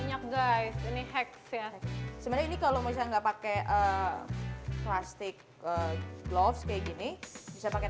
minyak guys ini hack ya sebenarnya ini kalau misalnya enggak pakai plastik glove kayak gini bisa pakai